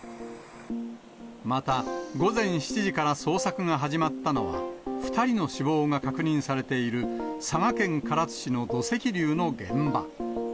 また、午前７時から捜索が始まったのは、２人の死亡が確認されている、佐賀県唐津市の土石流の現場。